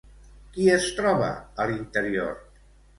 Qui es troba a l'interior?